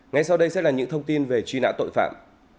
ngay sau đây sẽ là những thông tin về truy nã tội phạm